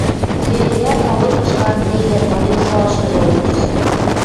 Йӹлерӓк алыкышкы Андрейлӓн вален шоашыжы ылнежӹ.